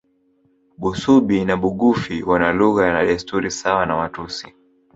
Busubi na Bugufi wana lugha na desturi sawa na Watusi